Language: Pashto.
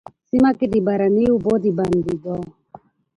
سيمه کي د باراني اوبو د بندېدو،